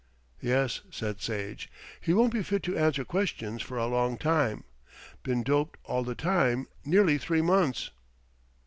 "Yes," said Sage. "He won't be fit to answer questions for a long time. Been doped all the time, nearly three months."